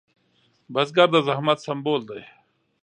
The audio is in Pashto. بزګر د زحمت سمبول دی